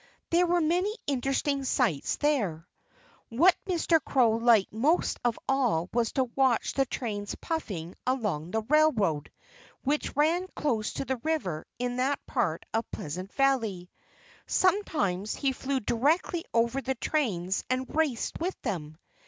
There were many interesting sights there. What Mr. Crow liked most of all was to watch the trains puffing along the railroad, which ran close to the river in that part of Pleasant Valley. Sometimes he flew directly over the trains and raced with them.